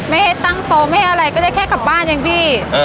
ไม่ให้ตั้งโตไม่ให้อะไรก็ได้แค่กลับบ้านเองพี่